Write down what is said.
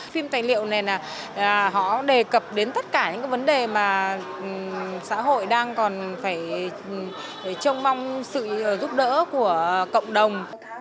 phim tài liệu này là họ đề cập đến tất cả những vấn đề mà xã hội đang còn phải trông mong sự giúp đỡ của cộng đồng